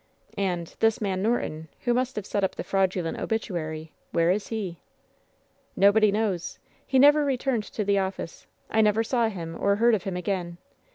"And — this man Norton, who must have set up the fraudulent obituary, where is he ?" "JSTobody knows. He never returned to the office. I never saw him, or heard of him again.